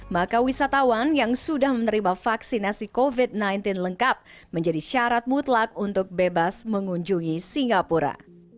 maka wisatawan yang sudah menerima vaksinasi covid sembilan belas lengkap menjadi syarat mutlak untuk bebas mengunjungi singapura